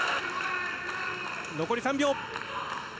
残り３秒。